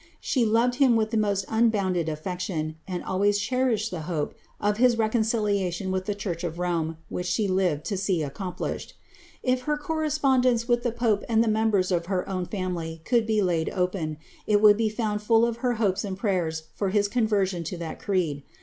She loved him with the most unbounded aflection, and always cherished the hope of his reconciliation with the church of Rome, which she lived to sec accomplished. If her corre spondence with the pope and the members of her own family could be laid open, it would be found full of her hopes and prayers for his con version to that creed.